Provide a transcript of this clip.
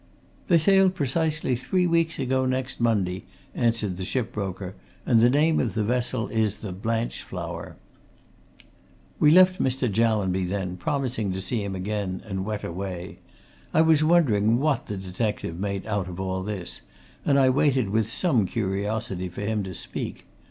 "They sailed precisely three weeks ago next Monday," answered the ship broker, "and the name of the vessel is the Blanchflower." We left Mr. Jallanby then, promising to see him again, and went away. I was wondering what the detective made out of all this, and I waited with some curiosity for him to speak.